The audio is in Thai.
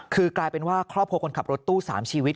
คือกลายเป็นว่าครอบครัวคนขับรถตู้๓ชีวิต